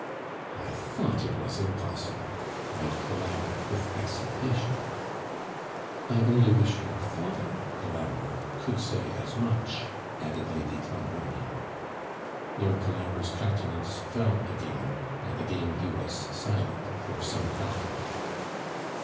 'I thought it was impossible!' cried Colambre, with exultation. 'I only wish your father, Colambre, could say as much,' added Lady Clonbrony. Lord Colambre's countenance fell again; and again he was silent for some time.